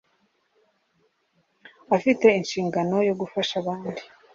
Afite inshingano yo gufasha abandi.